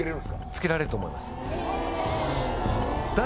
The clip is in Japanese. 付けられると思います。